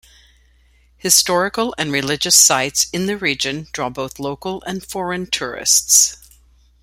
Historical and religious sites in the region draw both local and foreign tourists.